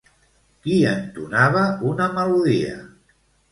Qui entonava una melodia?